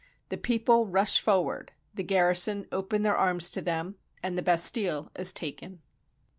The people rush forward; the garrison open their arms to them, and the Bastille is taken.